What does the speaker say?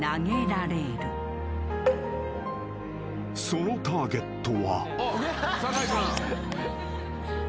［そのターゲットは］